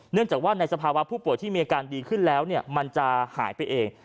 จากว่าในสภาวะผู้ป่วยที่มีอาการดีขึ้นแล้วมันจะหายไปเอง